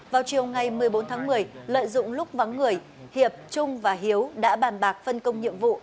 vào chiều ngày một mươi bốn tháng một mươi lợi dụng lúc vắng người hiệp trung và hiếu đã bàn bạc phân công nhiệm vụ